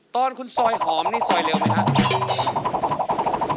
ตอนคุณซอยหอมนี่ซอยเร็วไหมครับ